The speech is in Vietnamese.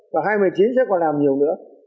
và hai mươi chín sẽ còn làm nhiều nữa